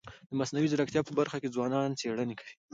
د مصنوعي ځیرکتیا په برخه کي ځوانان څيړني کوي.